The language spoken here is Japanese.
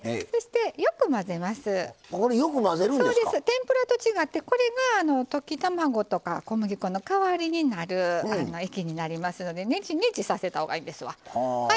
天ぷらと違ってこれが溶き卵とか小麦粉の代わりになる液になりますのでねちねちさせたほうがいいですわ。